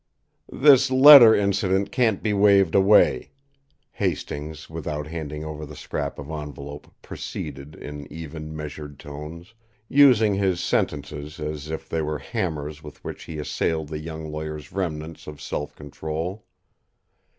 "This letter incident can't be waved away," Hastings, without handing over the scrap of envelope, proceeded in even, measured tones using his sentences as if they were hammers with which he assailed the young lawyer's remnants of self control.